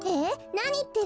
なにいってるの？